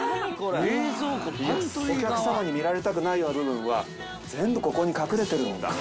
お客様に見られたくないような部分は、全部ここに隠れてるんだ。